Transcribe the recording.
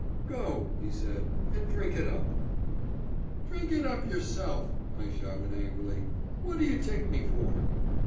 "Go," he said, "and drink it up." "Drink it up yourself!" I shouted angrily. "What do you take me for?"